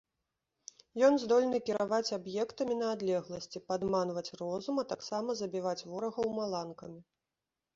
Ён здольны кіраваць аб'ектамі на адлегласці, падманваць розум, а таксама забіваць ворагаў маланкамі.